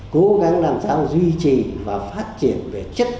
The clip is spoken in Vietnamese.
cố gắng làm sao duy trì và phát triển về chất